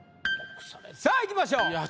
さあいきましょう。